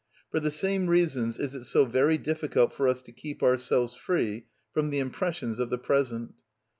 For the same reasons is it so very difficult for us to keep ourselves free from the impressions of the present.